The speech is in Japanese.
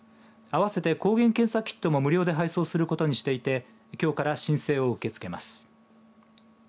あわせて、抗原検査キットも無料で配送することにしていてきょうから申請を受け付けます。